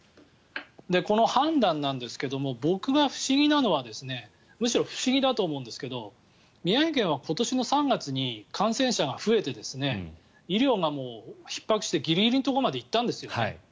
この判断なんですが僕が不思議なのはむしろ不思議だと思うんですけど宮城県は今年の３月に感染者が増えて医療がひっ迫してギリギリのところまで行ったんですよね。